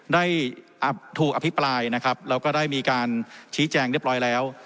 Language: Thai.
ได้ถูกอภิปรายนะครับแล้วก็ได้มีการชี้แจงเรียบร้อยแล้ว